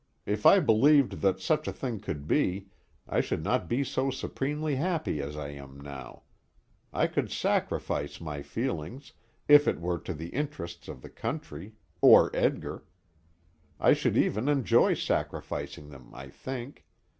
If I believed that such a thing could be, I should not be so supremely happy as I am now. I could sacrifice my feelings, if it were to the interests of the country, or Edgar. I should even enjoy sacrificing them, I think.